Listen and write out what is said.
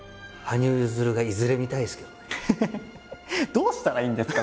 どうしたらいいんですか？